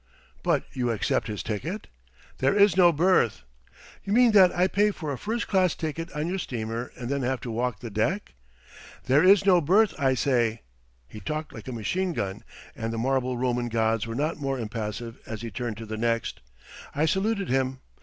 "But you accept his ticket?" "There is no berth." "You mean that I pay for a first class ticket on your steamer and then have to walk the deck?" "There is no berth, I say." He talked like a machine gun, and the marble Roman gods were not more impassive as he turned to the next. I saluted him.